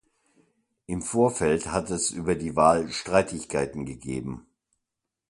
Im Vorfeld hatte es über die Wahl Streitigkeiten gegeben.